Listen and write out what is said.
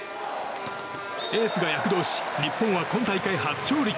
エースが躍動し日本は今大会初勝利。